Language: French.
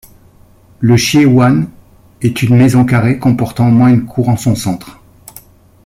Le Siheyuan est une maison carrée comportant au moins une cour en son centre.